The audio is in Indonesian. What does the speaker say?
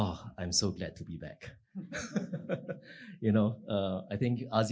ah saya sangat senang untuk kembali